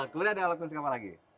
kemudian ada alat musik apa lagi